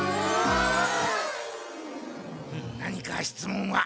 何か質問は？